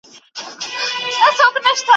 زخیرې مي کړلې ډیري شین زمری پر جنګېدمه